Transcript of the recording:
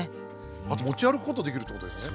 あと持ち歩くことできるってことですよね？